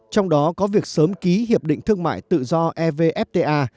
trong đó có việc sớm ký hiệp định thương mại tự do evfta